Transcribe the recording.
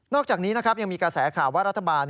อกจากนี้นะครับยังมีกระแสข่าวว่ารัฐบาล